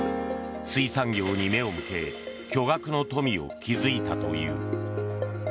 水産業に目を向け巨額の富を築いたという。